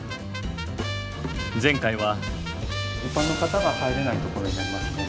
前回は。